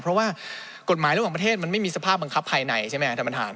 เพราะว่ากฎหมายระหว่างประเทศมันไม่มีสภาพบังคับภายในใช่ไหมครับท่านประธาน